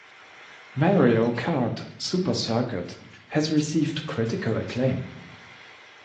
"Mario Kart: Super Circuit" has received critical acclaim.